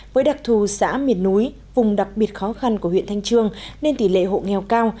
với đặc thù xã miền núi vùng đặc biệt khó khăn của huyện thanh trương nên tỷ lệ hộ nghèo cao